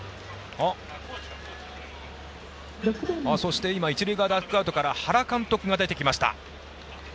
そして一塁側ダグアウトから原監督が出てきました。